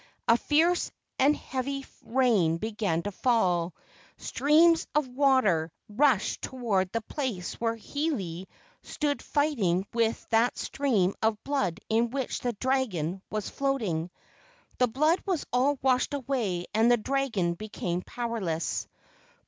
A fierce and heavy rain began to fall. Streams of water rushed toward the place where Hiilei stood fight¬ ing with that stream of blood in which the dragon was floating. The blood was all washed away and the dragon became powerless.